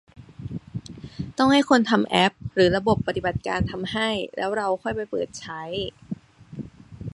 ต้องให้คนทำแอปหรือระบบปฏิบัติการทำให้ แล้วเราค่อยไปเปิดใช้